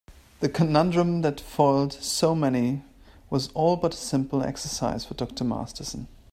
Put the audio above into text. The conundrum that foiled so many was all but a simple exercise for Dr. Masterson.